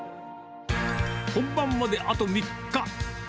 本番まであと３日。